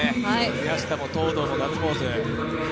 平下も東藤もガッツポーズ。